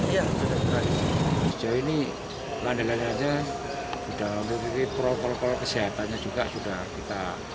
ya sudah terakhir ini landa landa aja sudah lebih proko koko kesehatannya juga sudah kita